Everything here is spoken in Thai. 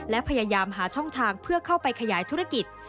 และพยายามหาช่องทางเพื่อเข้าไปขยายธุรกิจ